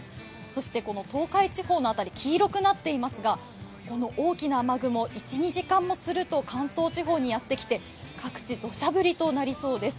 そしてこの東海地方のあたり、黄色くなっていますがこの大きな雨雲、１２時間もすると関東地方にやってきて、各地、土砂降りとなりそうです。